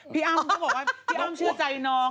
พี่อ้ำเขาบอกว่าพี่อ้ำเชื่อใจน้อง